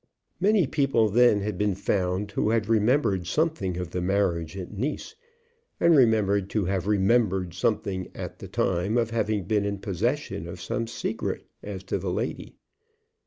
Many people then had been found who had remembered something of the marriage at Nice, and remembered to have remembered something at the time of having been in possession of some secret as to the lady.